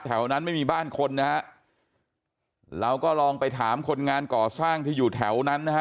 แถวนั้นไม่มีบ้านคนนะฮะเราก็ลองไปถามคนงานก่อสร้างที่อยู่แถวนั้นนะฮะ